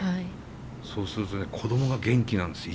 そうするとね子供が元気なんですよ